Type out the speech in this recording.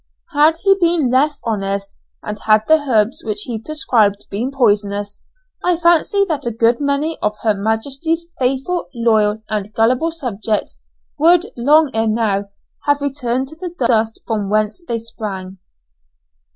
Had he been less honest, and had the herbs which he prescribed been poisonous, I fancy that a good many of Her Majesty's faithful, loyal, and gullible subjects would, long ere now, have returned to the dust from whence they sprang.